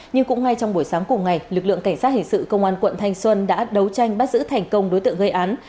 nhưng cũng ngay trong buổi sáng cùng ngày lực lượng cảnh sát hình sự công an quận thanh xuân đã đấu tranh bắt giữ thành công đối tượng gây án